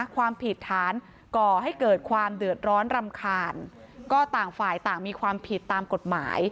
ความผิดฐานก่อให้เกิดความเดือดร้อนรำคาญก็ต่างฝ่ายต่างมีความผิดตามกฎหมาย